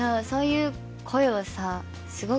そうそういう声をさす